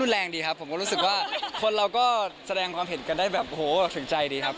แรงดีครับผมก็รู้สึกว่าคนเราก็แสดงความเห็นกันได้แบบโหถึงใจดีครับ